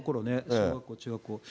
小学校、中学校。